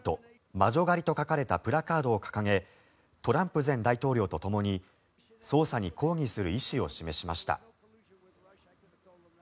魔女狩りと書かれたプラカードを掲げトランプ前大統領とともに捜査に抗議する意思を示しました。